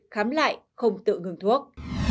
khám lại không tự ngừng thuốc